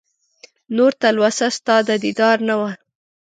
نور تلوسه ستا د دیدار نه وه